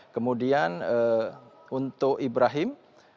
kemudian unto ibrahim